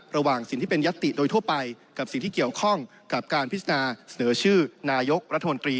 ระหว่างสิ่งที่เป็นยัตติโดยทั่วไปกับสิ่งที่เกี่ยวข้องกับการพิจารณาเสนอชื่อนายกรัฐมนตรี